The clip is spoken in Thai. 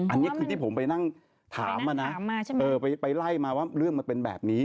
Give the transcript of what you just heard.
อันนี้คือที่ผมไปนั่งถามมานะไปไล่มาว่าเรื่องมันเป็นแบบนี้